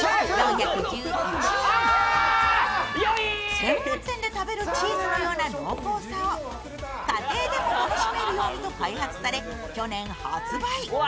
専門店で食べるチーズのような濃厚さを家庭でも楽しめるようにと開発され、去年発売。